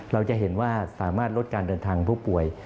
เราจะเห็นว่าสามารถลดการเดินทางผู้ป่วย